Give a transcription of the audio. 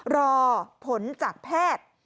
รอผลจากแพทย์